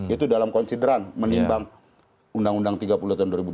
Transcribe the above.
itu dalam konsideran menimbang undang undang tiga puluh tahun dua ribu dua